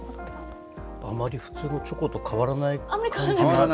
あんまり普通のチョコと変わらない感じが。